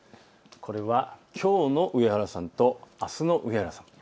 これはきょうの上原さんとあすの上原さん。